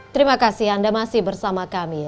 terima kasih anda masih bersama kami